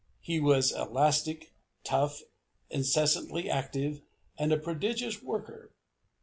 He was elastic, tough, incessantly active, and a prodigious worker.